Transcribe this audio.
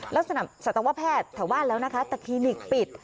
แล้วสนับสนับว่าแพทย์ทะวันแล้วนะคะแต่คลินิกปิด